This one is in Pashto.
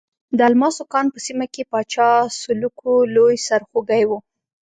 د الماسو کان په سیمه کې پاچا سلوکو لوی سرخوږی وو.